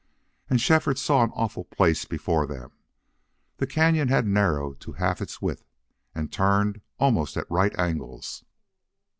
And Shefford saw an awful place before them. The cañon had narrowed to half its width, and turned almost at right angles.